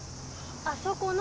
あそこの。